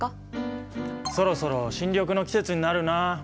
そろそろ新緑の季節になるなあ。